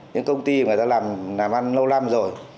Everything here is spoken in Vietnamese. những công ty mà người ta làm ăn lâu năm rồi